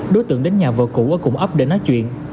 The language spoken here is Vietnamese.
đối tượng đến nhà vợ cũ ở cùng ấp để nói chuyện